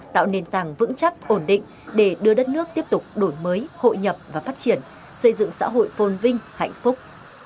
tạo nền tảng vững chắc ổn định để đưa đất nước tiếp tục đổi mới hội nhập và phát triển xây dựng xã hội phôn vinh hạnh phúc